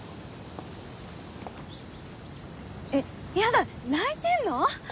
えっやだ泣いてるの？